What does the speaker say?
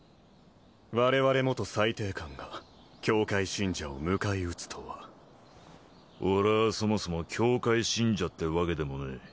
我々元裁定官が教会信者を迎え撃つとは俺ぁそもそも教会信者ってわけでもねえ